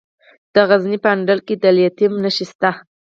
د غزني په اندړ کې د لیتیم نښې شته.